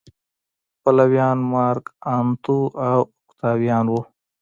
پلویان مارک انتو او اوکتاویان و